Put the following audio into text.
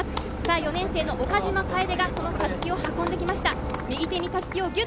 ４年生・岡島楓がその襷を運んできました。